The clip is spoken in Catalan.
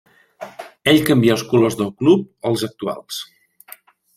Ell canvià els colors del club als actuals.